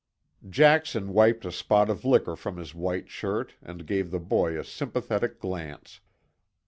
Jackson wiped a spot of liquor from his white shirt and gave the boy a sympathetic glance.